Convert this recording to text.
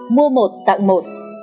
mua một tặng một